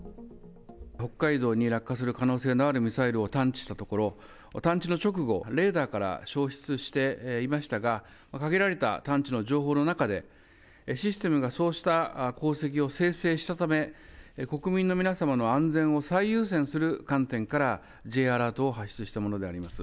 北海道に落下する可能性のあるミサイルを探知したところ、探知の直後、レーダーから消失していましたが、限られた探知の情報の中で、システムがそうした航跡を生成したため、国民の皆様の安全を最優先する観点からＪアラートを発出したものであります。